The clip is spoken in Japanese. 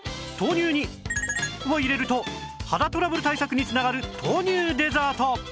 豆乳にを入れると肌トラブル対策に繋がる豆乳デザート